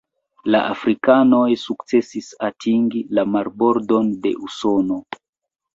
La afrikanoj sukcesis atingi la marbordon de Usono.